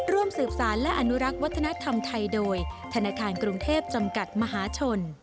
ร่วมสืบสารและอนุรักษ์วัฒนธรรมไทยโดยธนาคารกรุงเทพจำกัดมหาชน